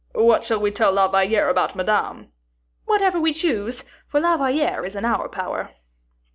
"What shall we tell La Valliere about Madame?" "Whatever we choose, for La Valliere is in our power."